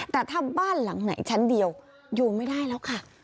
แต่ถ้าบ้านหลังไหนชั้นเดียวอยู่ไม่ได้แล้วค่ะ